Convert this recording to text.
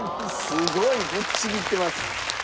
すごいぶっちぎってます。